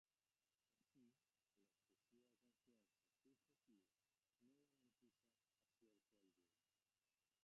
Así, la excesiva confianza subjetiva no garantiza acierto alguno.